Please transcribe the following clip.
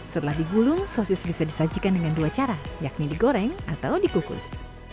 setelah digulung sosis bisa disajikan dengan dua cara yakni digoreng atau dikukus